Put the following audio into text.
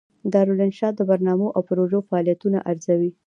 دارالانشا د برنامو او پروژو فعالیتونه ارزوي.